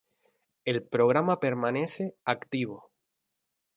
El programa permanece activo.